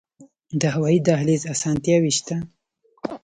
د هوایی دهلیز اسانتیاوې شته؟